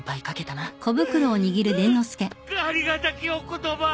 ううありがたきお言葉。